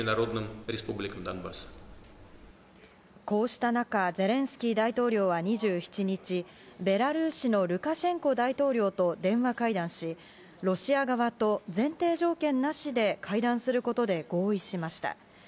こうした中ゼレンスキー大統領は２７日ベラルーシのルカシェンコ大統領と電話会談し、ロシア側と前提条件なしで会談することで合意しました。